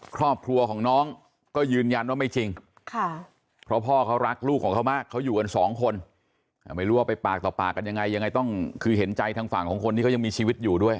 ครอบครัวของน้องก็ยืนยันว่าไม่จริงเพราะพ่อเขารักลูกของเขามากเขาอยู่กันสองคนไม่รู้ว่าไปปากต่อปากกันยังไงยังไงต้องคือเห็นใจทางฝั่งของคนที่เขายังมีชีวิตอยู่ด้วย